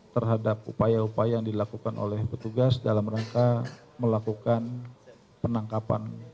terhadap upaya upaya yang dilakukan oleh petugas dalam rangka melakukan penangkapan